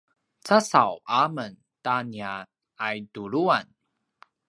casaw a men ta nia aituluan